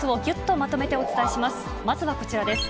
まずはこちらです。